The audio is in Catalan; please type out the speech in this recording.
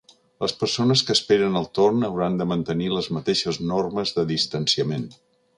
Les persones que esperen el torn hauran de mantenir les mateixes normes de distanciament.